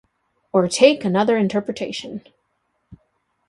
Or take another interpretation.